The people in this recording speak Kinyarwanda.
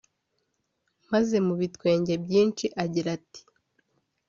maze mu bitwenge byinshi agira ati